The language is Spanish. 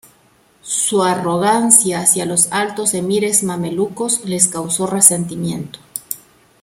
Su arrogancia hacia los altos emires mamelucos les causó resentimiento.